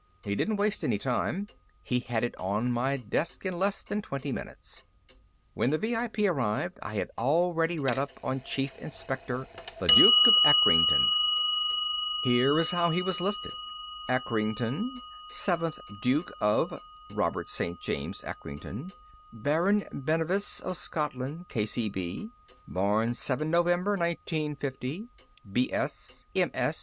He didn't waste any time; he had it on my desk in less than twenty minutes. When the VIP arrived, I had already read up on Chief Inspector, The Duke of Acrington. Here's how he was listed: _ACRINGTON, Seventh Duke of (Robert St. James Acrington) Baron Bennevis of Scotland, K. C. B.: Born 7 November 1950, B.S., M.S.